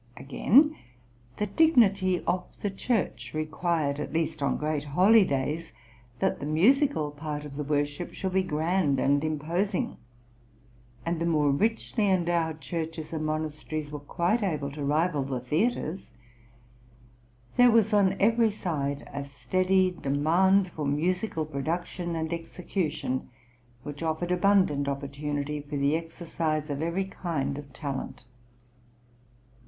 Again, the dignity of the Church required, at least on great holy days, that the musical part of the worship should be grand and imposing; and the more {MUSIC IN ITALY.} (103) richly endowed churches and monasteries were quite able to rival the theatres. There was on every side a steady demand for musical production and execution, which offered abundant opportunity for the exercise of every kind of talent.